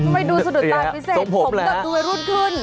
ไม่ดูสุดตายพิเศษผมก็ดูไปรุ่นขึ้น